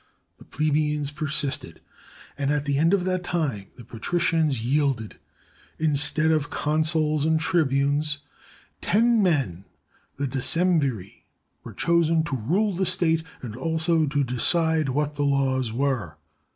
The plebeians persisted, and at the end of that time the patricians yielded. Instead of consuls and tribunes, ten men, the decemviri, were chosen to rule the state and also to decide what the laws were.